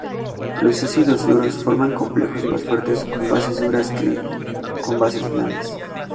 Los ácidos duros forman complejos más fuertes con bases duras que con bases blandas.